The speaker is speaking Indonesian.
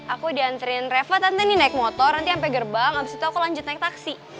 aku diantriin reva tante ini naik motor nanti sampai gerbang abis itu aku lanjut naik taksi